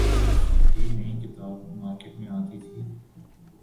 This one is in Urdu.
کوئی نئی کتاب مارکیٹ میں آتی تھی۔